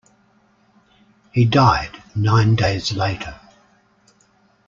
He died nine days later.